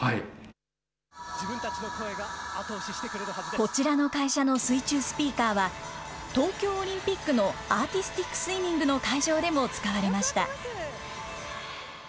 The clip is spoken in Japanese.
こちらの会社の水中スピーカーは、東京オリンピックのアーティスティックスイミングの会場でも使われました。